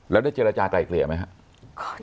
แล้วได้เจรจากลายเกลี่ยไหมครับ